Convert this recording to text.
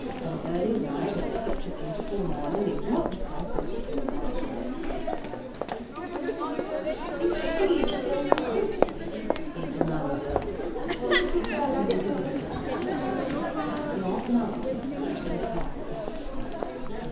An early ride on such a beautiful morning is much preferable to an hour's more sleep." "Is she to go with us," he demanded, "the little girl I saw yesterday?" "Not now," replied I.